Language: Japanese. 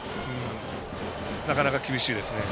なかなか厳しいですね。